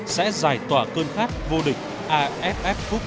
sẽ giải tỏa cơn khát vô địch aff coupe sau một mươi năm